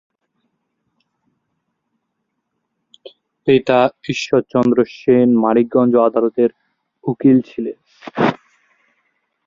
পিতা ঈশ্বরচন্দ্র সেন মানিকগঞ্জ আদালতের উকিল ছিলেন।